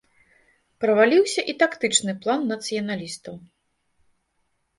Праваліўся і тактычны план нацыяналістаў.